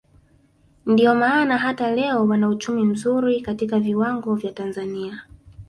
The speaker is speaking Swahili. Ndio maana hata leo wana uchumi mzuri katika viwango vya Tanzania